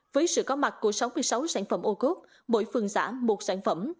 với sự có mặt của sáu mươi sáu sản phẩm ô cốt mỗi phường xã một sản phẩm